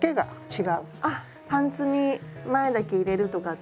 あっパンツに前だけ入れるとかって。